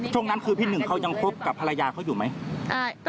ช่วงนั้นพี่หนึ่งค่ายังคบกับภรรยากันอยู่มั้ย